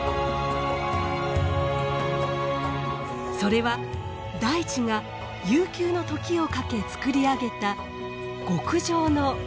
それは大地が悠久の時をかけつくり上げた極上の芸術作品なのです。